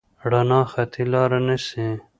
رڼا خطي لاره نیسي.